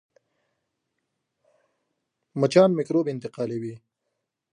مچان میکروب انتقالوي